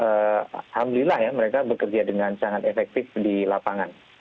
alhamdulillah ya mereka bekerja dengan sangat efektif di lapangan